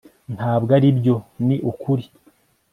Ntabwo aribyo Ni ukuri